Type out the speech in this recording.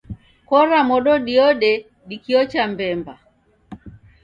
Kora modo diode dikiocha mbemba